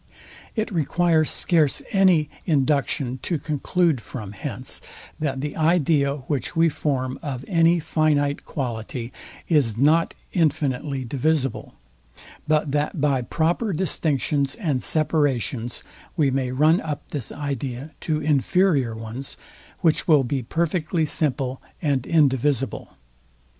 It requires scarce any, induction to conclude from hence, that the idea, which we form of any finite quality, is not infinitely divisible, but that by proper distinctions and separations we may run up this idea to inferior ones, which will be perfectly simple and indivisible.